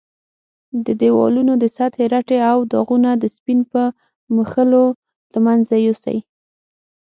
د دېوالونو د سطحې رټې او داغونه د سپین په مښلو له منځه یوسئ.